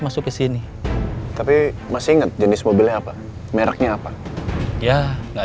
masuk ke sini tapi masih ingat jenis mobilnya apa mereknya apa ya enggak